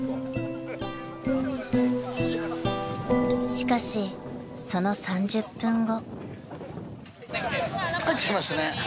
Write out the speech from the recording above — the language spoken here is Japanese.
［しかしその３０分後］